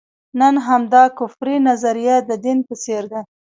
نن همدا کفري نظریه د دین په څېر ده.